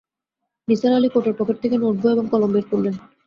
নিসার আলি কোটের পকেট থেকে নোট বই এবং কলম বের করলেন।